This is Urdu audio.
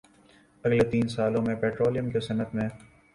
اگلے تین سالوں میں پٹرولیم کی صنعت میں